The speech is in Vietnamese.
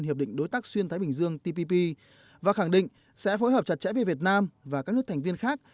hiệp định đối tác xuyên thái bình dương tpp và khẳng định sẽ phối hợp chặt chẽ với việt nam và các nước thành viên khác